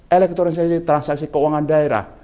elektorisasi transaksi keuangan daerah